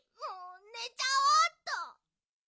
ねちゃおうっと！